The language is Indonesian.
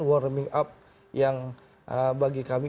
warming up yang bagi kami